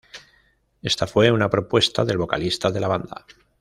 Esta fue una propuesta del vocalista de la banda.